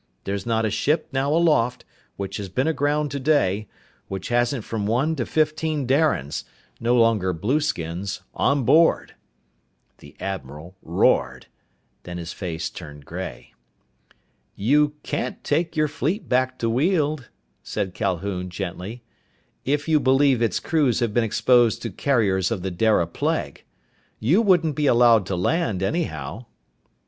There's not a ship now aloft, which has been aground today, which hasn't from one to fifteen Darians no longer blueskins on board." The admiral roared. Then his face turned gray. "You can't take your fleet back to Weald," said Calhoun gently, "if you believe its crews have been exposed to carriers of the Dara plague. You wouldn't be allowed to land, anyhow."